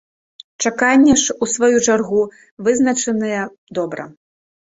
Чакання ж, у сваю чаргу, вызначаныя добра.